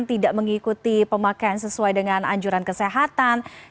tidak mengikuti pemakaian sesuai dengan anjuran kesehatan